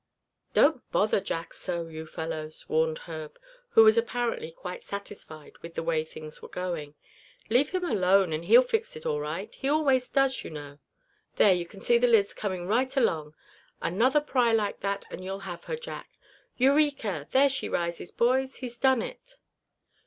"Don't bother Jack so, you fellows," warned Herb, who was apparently quite satisfied with the way things were going. "Leave him alone, and he'll fix it all right. He always does, you know. There you c'n see the lid's coming right along. Another pry like that, and you'll have her, Jack. Eureka! there she rises, boys! He's done it!"